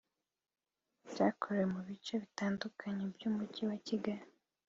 byakorewe mu bice bitandukanye by’Umujyi wa Kigali